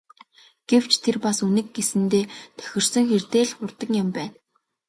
Гэвч тэр бас Үнэг гэсэндээ тохирсон хэрдээ л хурдан юм байна.